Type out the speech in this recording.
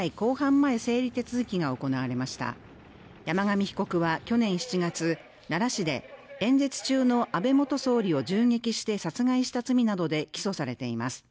前整理手続きが行われました山上被告は去年７月奈良市で演説中の安倍元総理を銃撃して殺害した罪などで起訴されています